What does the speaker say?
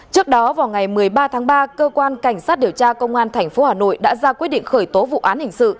trước đó vào ngày một mươi ba tháng ba cơ quan cảnh sát điều tra công an tp hà nội đã ra quyết định khởi tố vụ án hình sự